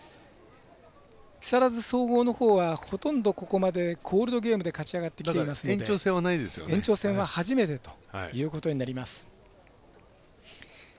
木更津総合のほうはほとんど、ここまでコールドゲームで勝ち上がってきてますので延長戦は初めてということになります。